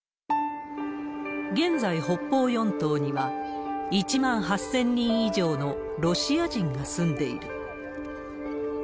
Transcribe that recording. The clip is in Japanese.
現在、北方四島には１万８０００人以上のロシア人が住んでいる。